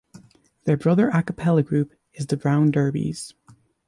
Their brother a cappella group is The Brown Derbies.